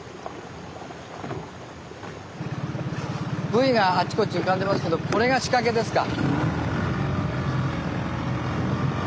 ブイがあちこち浮かんでますけどこれが仕掛けですか？